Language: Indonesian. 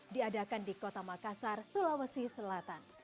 diadakan di kota makassar sulawesi selatan